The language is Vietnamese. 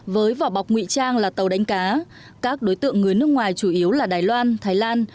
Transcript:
với vỏ bọc nguy trang là tàu đánh cá các đối tượng người nước ngoài chủ yếu là đài loan thái lan